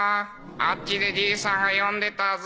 「あっちでじいさんが呼んでたぞ」